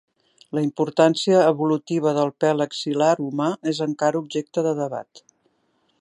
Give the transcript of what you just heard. La importància evolutiva del pèl axil·lar humà és encara objecte de debat.